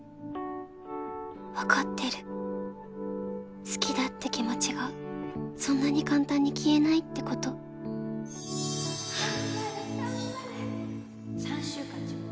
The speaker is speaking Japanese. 分かってる好きだって気持ちがそんなに簡単に消えないってこと頑張れ頑張れ